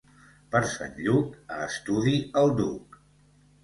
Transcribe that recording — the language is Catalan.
Per Sant Lluc, a estudi el duc.